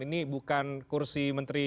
ini bukan kursi menteri